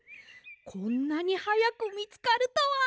こんなにはやくみつかるとは！